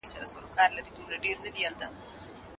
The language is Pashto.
ده د بېځايه سزا پر ځای د اصلاح او لارښوونې ارزښت ښوولی و.